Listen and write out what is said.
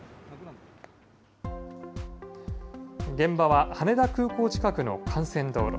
現場は羽田空港近くの幹線道路。